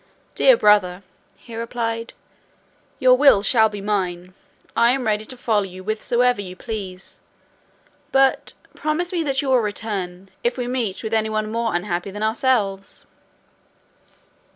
"Dear brother," he replied, "your will shall be mine. I am ready to follow you whithersoever you please: but promise me that you will return, if we meet with any one more unhappy than ourselves."